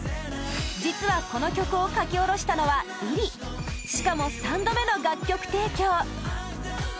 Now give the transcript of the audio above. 実はこの曲を書き下ろしたのはｉｒｉしかも３度目の楽曲提供